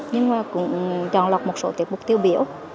nhưng mà cũng tròn lọc một số tiệc mục tiêu biểu